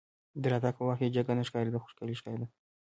د راتګ په وخت کې جګه نه ښکارېده خو ښکلې ښکارېده.